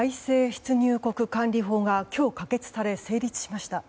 出入国管理法が今日、可決され成立しました。